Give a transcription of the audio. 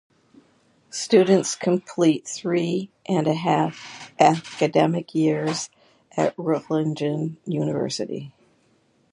Students complete three and a half academic years at Reutlingen University.